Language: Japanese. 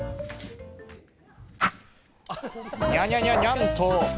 にゃにゃにゃにゃんと！